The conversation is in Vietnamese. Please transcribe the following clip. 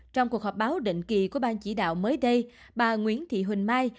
trong cuộc họp báo định kỳ của ban chỉ đạo mới đây bà nguyễn thị huỳnh mai